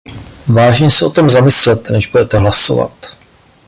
Vážně se o tom zamyslete, než budete hlasovat.